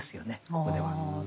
ここでは。